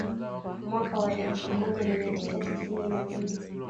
Mwaka wa elfu moja mia tisa tisini na mbili